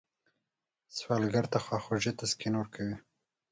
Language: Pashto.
سوالګر ته خواخوږي تسکین ورکوي